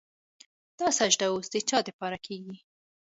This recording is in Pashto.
دا سجده وس د چا دپاره کيږي